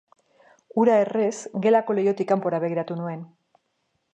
Hura errez, gelako leihotik kanpora begiratu nuen.